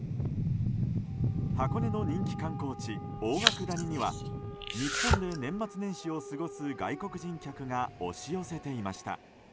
箱根の人気観光地、大涌谷には日本で年末年始を過ごす外国人客が押し寄せていました。